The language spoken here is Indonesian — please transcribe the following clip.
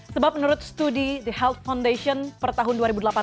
sebab menurut studi the health foundation per tahun dua ribu delapan belas